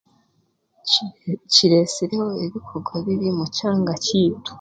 Kiresireho ebikorwa bibi mu kyanga kyeitu